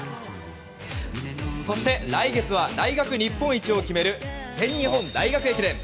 そして来月は大学日本一を決める全日本大学駅伝。